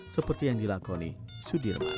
seperti yang dilakoni sudirman